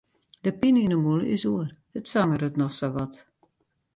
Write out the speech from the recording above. De pine yn 'e mûle is oer, it sangeret noch sa wat.